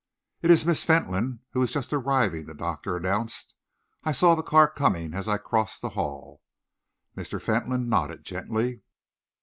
"It is Miss Fentolin who is just arriving," the doctor announced. "I saw the car coming as I crossed the hall." Mr. Fentolin nodded gently.